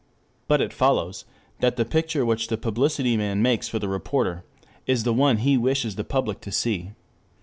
But it follows that the picture which the publicity man makes for the reporter is the one he wishes the public to see.